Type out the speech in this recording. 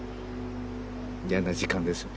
嫌な時間ですよね